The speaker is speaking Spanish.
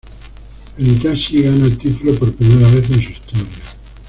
El Hitachi gana el título por primera vez en su historia.